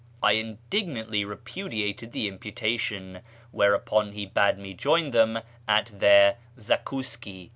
I indignantly re pudiated the imputation, whereupon he bade me join them at their " Zakouski."